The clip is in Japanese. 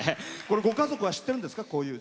ご家族は知ってるんですか？